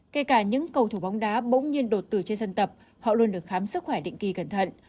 kể cả những cầu thủ bóng đá bỗng nhiên đột tử trên dân tập họ luôn được khám sức khỏe định kỳ cẩn thận